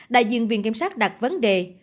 đại diện viện kiểm sát đặt vấn đề